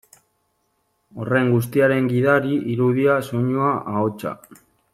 Horren guztiaren gidari, irudia, soinua, ahotsa.